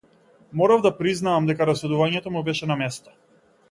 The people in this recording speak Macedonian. Морав да признаам дека расудувањето му беше на место.